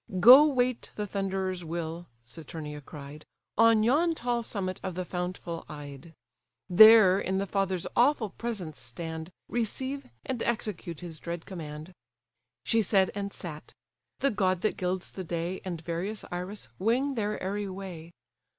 "Go wait the Thunderer's will (Saturnia cried) On yon tall summit of the fountful Ide: There in the father's awful presence stand, Receive, and execute his dread command." She said, and sat; the god that gilds the day, And various Iris, wing their airy way.